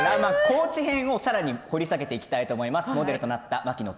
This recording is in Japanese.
高知編をさらに掘り下げていきます。